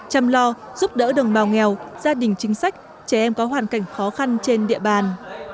chăm lo giúp đỡ đồng bào nghèo gia đình chính sách trẻ em có hoàn cảnh khó khăn trên địa bàn